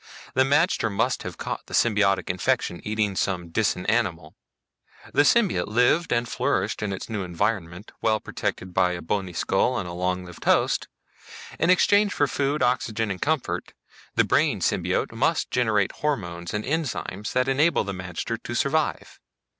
The magter must have caught the symbiotic infection eating some Disan animal. The symbiote lived and flourished in its new environment, well protected by a bony skull in a long lived host. In exchange for food, oxygen and comfort, the brain symbiote must generate hormones and enzymes that enable the magter to survive.